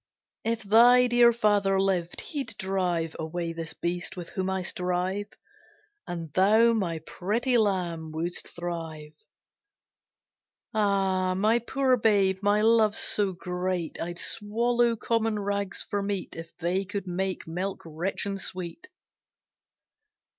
If thy dear father lived, he'd drive Away this beast with whom I strive, And thou, my pretty Lamb, wouldst thrive. Ah, my poor babe, my love's so great I'd swallow common rags for meat If they could make milk rich and sweet.